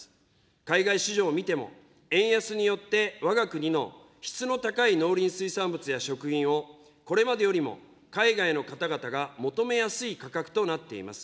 海外市場を見ても、円安によってわが国の質の高い農林水産物や食品を、これまでよりも海外の方々が求めやすい価格となっています。